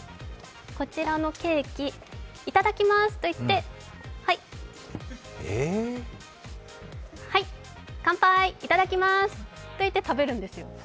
こちらのケーキ、いただきますといって、はい、カンパーイ、いただきまーすといって食べるんです。